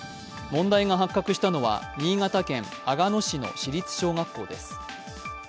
問題が発覚したのは新潟県阿賀野市の市立小学校です。